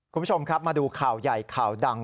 คุณผู้ชมครับมาดูข่าวใหญ่ข่าวดัง